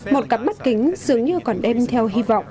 một cặp bắt kính dường như còn đem theo hy vọng